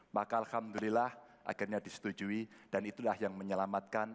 maka alhamdulillah akhirnya disetujui dan itulah yang menyelamatkan